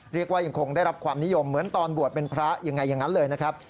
เรียกว่ายังคงได้รับความนิยมเหมือนตอนบวชเป็นพระยังไงอย่างนั้นเลยนะครับ